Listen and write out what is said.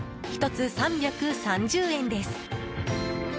１つ３３０円です。